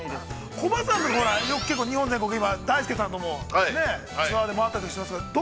◆コバさん、結構日本全国、だいすけさんともツアーで回ったりしていますけれども。